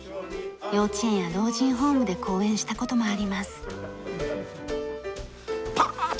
幼稚園や老人ホームで公演した事もあります。